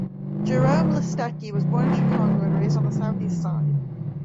Jerome Listecki was born in Chicago and raised on the Southeast Side.